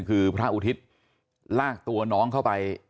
คือพระอุทิศลากตัวน้องเข้าไป